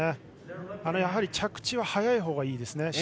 やはり着地は早いほうがいいですね。